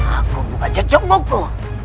aku bukan jejong buku